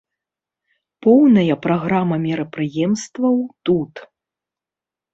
Поўная праграма мерапрыемстваў тут.